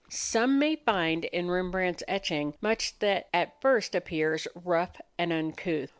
Some may find in Rembrandt's etching much that at first appears rough and uncouth.